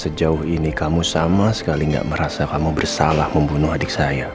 sejauh ini kamu sama sekali tidak merasa kamu bersalah membunuh adik saya